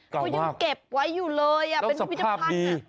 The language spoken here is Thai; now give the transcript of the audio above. เก่ามากเก็บไว้อยู่เลยเป็นพิพิธภัณฑ์น่ะรูปภาพสภาพดี